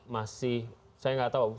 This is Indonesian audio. masih saya gak tau